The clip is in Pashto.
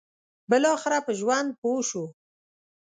بالاخره په ژوند پوه شو.